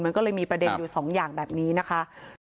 มันก็เลยมีประเด็นอยู่สองอย่างแบบนี้นะคะ